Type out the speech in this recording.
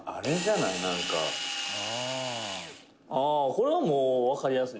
「ああ、これはもう、わかりやすい」